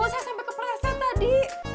saya sampai kepreset tadi